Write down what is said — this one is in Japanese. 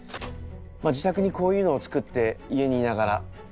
自宅にこういうのを作って家にいながら鍛えていました。